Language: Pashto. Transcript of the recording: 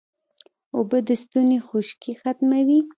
اوبه د ستوني خشکي ختموي